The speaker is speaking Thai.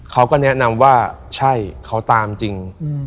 เขาก็แนะนำว่าใช่เขาตามจริง